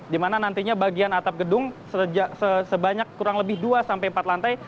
dimana nantinya bagian atap gedung sebanyak kurang lebih dua empat lantai